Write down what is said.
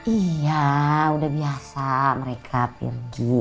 iya udah biasa mereka pergi